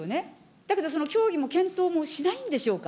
だけど、その協議も検討もしないんでしょうか。